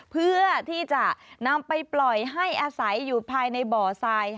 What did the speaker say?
เพื่อที่จะนำไปปล่อยให้อาศัยอยู่ภายในบ่อทราย